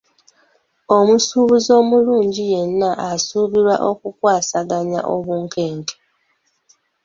Omusuubuzi omulungi yenna asuubirwa okukwasaganya obunkenke.